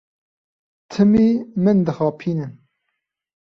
Timî min dixapînin.